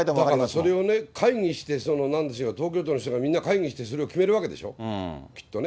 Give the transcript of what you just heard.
それを会議して、なんでしょう、東京都の人がみんな会議してそれを決めるわけでしょ、きっとね。